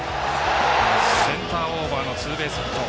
センターオーバーのツーベースヒット。